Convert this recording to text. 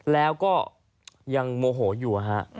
แล้วก็ยังโมโหอยู่